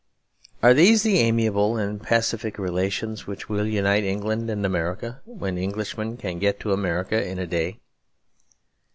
Are these the amiable and pacific relations which will unite England and America, when Englishmen can get to America in a day?